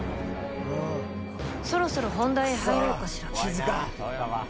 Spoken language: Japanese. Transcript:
そろそろ本題に入ろうかしら。